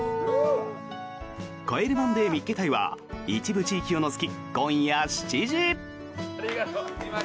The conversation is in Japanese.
「帰れマンデー見っけ隊！！」は一部地域を除き今夜７時。